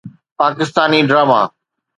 Pakistani drama